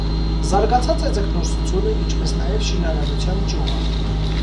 Զարգացած է ձկնորսությունը, ինչպես նաև շինարարության ճյուղը։